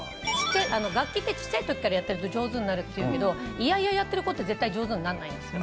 楽器ってちっちゃい時からやってると上手になるっていうけど嫌々やってる子って絶対上手にならないんですよ。